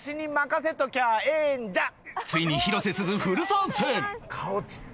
ついに広瀬すずフル参戦！